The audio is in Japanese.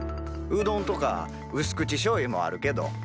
うどんとか薄口しょうゆもあるけど。